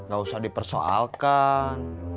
gak usah dipersoalkan